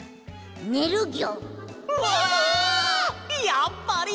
やっぱり！